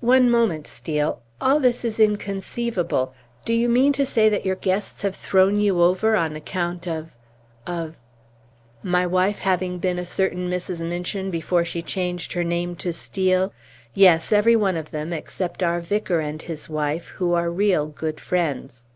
"One moment, Steel! All this is inconceivable; do you mean to say that your guests have thrown you over on account of of " "My wife having been a certain Mrs. Minchin before she changed her name to Steel! Yes, every one of them, except our vicar and his wife, who are real good friends."